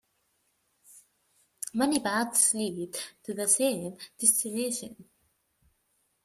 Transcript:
Many paths lead to the same destination.